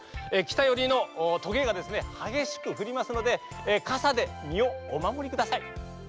きたよりのとげがですねはげしくふりますのでかさでみをおまもりください。